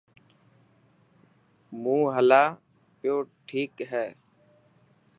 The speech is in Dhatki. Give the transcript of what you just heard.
مون هلان پيو ٺيڪ هي.